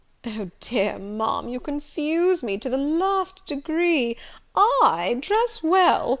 "O, dear Ma'am, you confuse me to the last degree! I dress well!